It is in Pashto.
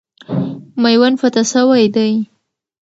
میوند فتح سوی دی.